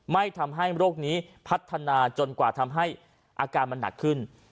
ไม่ทำให้โรคนี้พัฒนาจนกว่าทำให้อาการมันหนักขึ้น